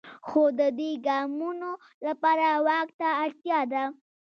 خو د دې ګامونو لپاره واک ته اړتیا ده.